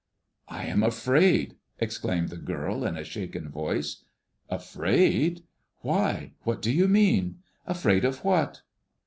"I am afraid!" exclaimed the girl, in a shaken voice. "Afraid? Why, what do you mean? Afraid of what?"